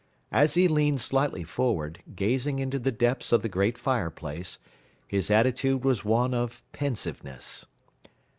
As he leaned slightly forward, gazing into the depths of the great fireplace, his attitude was one of pensiveness.